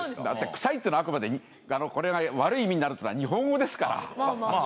だってクサイってあくまでこれは悪い意味になるっていうのは日本語ですから。